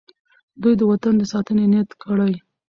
دوی د وطن د ساتنې نیت کړی.